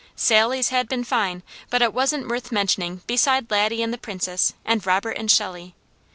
Sally's had been fine; but it wasn't worth mentioning beside Laddie and the Princess, and Robert and Shelley.